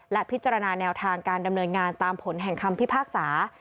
และพิจารณาแนวทางการดำเนินงานตามผลแห่งคำพิพากษา